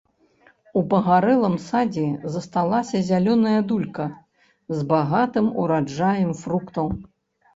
У пагарэлым садзе засталася зялёная дулька з багатым ураджаем фруктаў.